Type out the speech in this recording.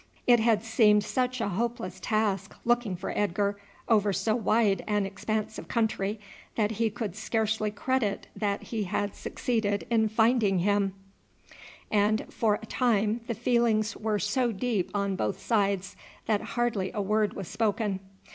It had seemed such a hopeless task looking for Edgar over so wide an expanse of country that he could scarcely credit that he had succeeded in finding him, and for a time the feelings were so deep on both sides that hardly a word was spoken.